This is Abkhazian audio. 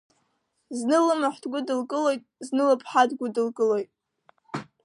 Зны лымаҳә дгәыдылкылоит, зны лыԥҳа дгәыдылкылоит.